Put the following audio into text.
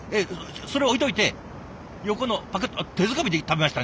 それ置いといて横のパクッ手づかみで食べました？